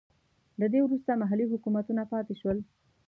له دې وروسته محلي حکومتونه پاتې شول.